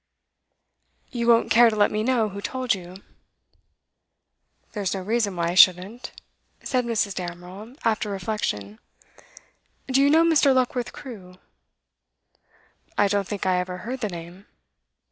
'You won't care to let me know who told you?' 'There's no reason why I shouldn't,' said Mrs. Damerel, after reflection. 'Do you know Mr. Luckworth Crewe?' 'I don't think I ever heard the name.